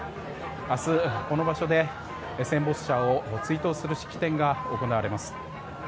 明日、この場所で戦没者を追悼する式典が行われます。